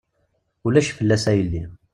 Ulac fell-as a yelli.